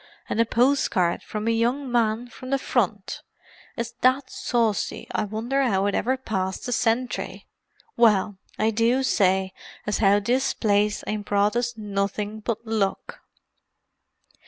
And a post card from me young man from the Front; it's that saucy I wonder 'ow it ever passed the sentry! Well, I do say as 'ow this place ain't brought us nuffink but luck!"